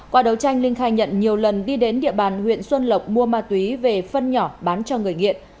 qua đấu tranh linh khai nhận nhiều lần đi đến địa bàn huyện xuân lộc mua ma túy về phân nhỏ bán cho người nghiện